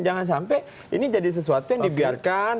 jangan sampai ini jadi sesuatu yang dibiarkan